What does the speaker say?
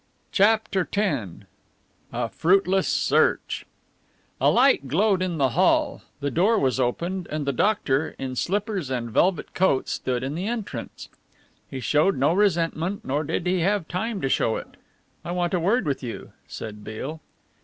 CHAPTER X A FRUITLESS SEARCH A light glowed in the hall, the door was opened and the doctor, in slippers and velvet coat, stood in the entrance. He showed no resentment nor did he have time to show it. "I want a word with you," said Beale.